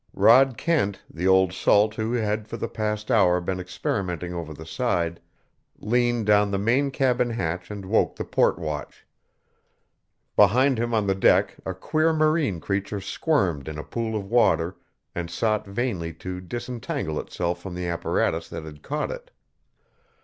Rod Kent, the old salt who had for the past hour been experimenting over the side, leaned down the main cabin hatch and woke the port watch. Behind him on the deck a queer marine creature squirmed in a pool of water and sought vainly to disentangle itself from the apparatus that had caught it.